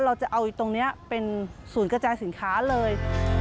เราจะเอาตรงนี้เป็นศูนย์กระจายสินค้าเลย